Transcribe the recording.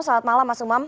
selamat malam mas umam